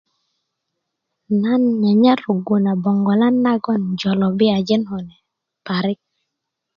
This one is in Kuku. nan nyanyar rögu na bongolan nagon jolobiyanji parik